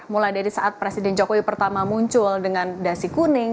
mulai dari saat presiden jokowi pertama muncul dengan dasi kuning